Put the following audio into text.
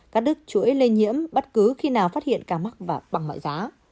gắt đứt chuỗi lây nhiễm bất cứ khi nào phát hiện ca mắc bằng mọi giá